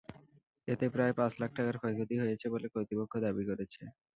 এতে প্রায় পাঁচ লাখ টাকার ক্ষয়ক্ষতি হয়েছে বলে কর্তৃপক্ষ দাবি করেছে।